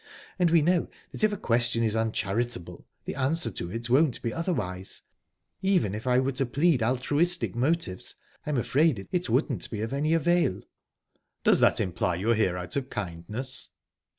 And we know that if a question is uncharitable, the answer to it won't be otherwise. Even if I were to plead altruistic motives, I'm afraid it wouldn't be of any avail." "Does that imply you're here out of kindness?"